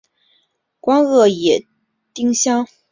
光萼野丁香为茜草科野丁香属下的一个变种。